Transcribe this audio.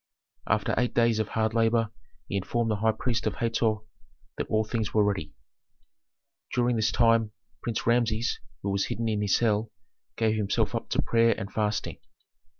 After eight days of hard labor he informed the high priest of Hator that all things were ready. During this time Prince Rameses, who was hidden in his cell, gave himself up to prayer and fasting.